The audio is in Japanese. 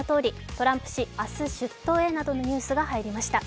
トランプ氏、明日出頭へなどのニュースが入りました。